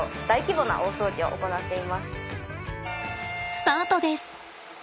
スタートです。